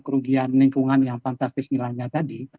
kerugian lingkungan yang fantastis misalnya tadi